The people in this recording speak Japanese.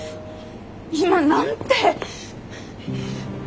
今何て。